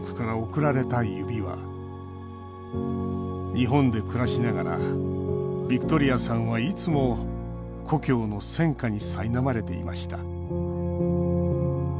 日本で暮らしながらビクトリアさんはいつも故郷の戦禍にさいなまれていました